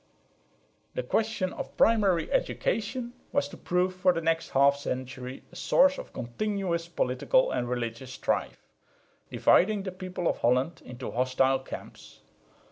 The question of primary education was to prove for the next half century a source of continuous political and religious strife, dividing the people of Holland into hostile camps.